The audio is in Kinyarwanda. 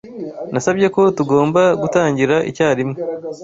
Nasabye ko tugomba gutangira icyarimwe.